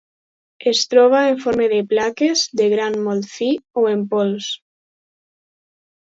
Es troba en forma de plaques, de gra molt fi, o en pols.